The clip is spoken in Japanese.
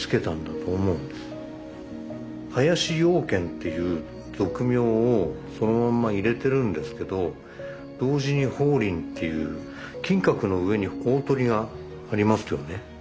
「林養賢」という俗名をそのまんま入れてるんですけど同時に「鳳林」っていう金閣の上におおとりがありますよね。